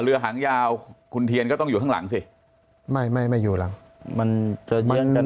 เรือหางยาวคุณเทียนก็ต้องอยู่ข้างหลังสิไม่ไม่ไม่อยู่หลังมันจะเยื้องกัน